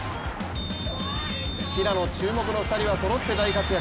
平野注目の２人はそろって大活躍。